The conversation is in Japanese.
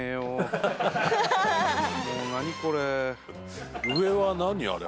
もう何これ上は何あれ？